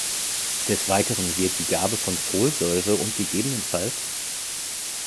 Des Weiteren wird die Gabe von Folsäure und ggf.